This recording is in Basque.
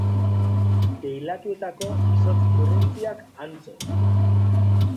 Teilatuetako izotz burruntziak antzo.